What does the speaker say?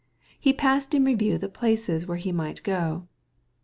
He passed in review of the places he might go to.